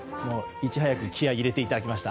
いち早く気合入れていただきました。